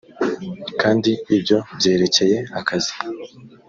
kandi ibyo byerekeye akazi